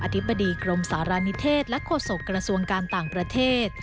ธิบดีกรมสารณิเทศและโฆษกระทรวงการต่างประเทศ